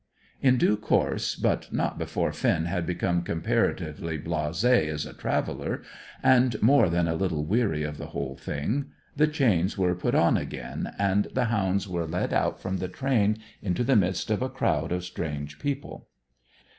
In due course, but not before Finn had become comparatively blasé as a traveller, and more than a little weary of the whole thing, the chains were put on again, and the hounds were led out from the train into the midst of a crowd of strange people.